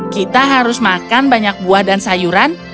kita harus makan banyak buah dan sayuran